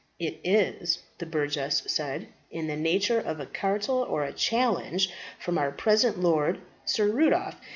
"It is," the burgess said, "in the nature of a cartel or challenge from our present lord, Sir Rudolf.